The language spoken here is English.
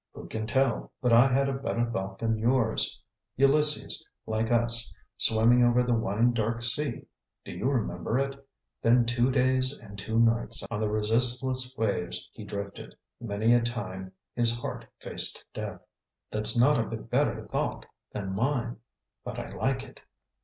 "Who can tell? But I had a better thought than yours: Ulysses, like us, swimming over the 'wine dark sea'! Do you remember it? 'Then two days and two nights on the resistless waves he drifted; many a time his heart faced death.'" "That's not a bit better thought than mine; but I like it.